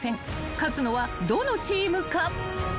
［勝つのはどのチームか］